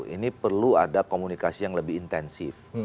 ini perlu ada komunikasi yang lebih intensif